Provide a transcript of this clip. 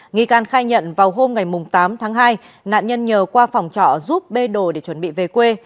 nghi can khai nhận vào hôm tám tháng hai nạn nhân nhờ qua phòng trọ giúp bê đồ để chuẩn bị về quê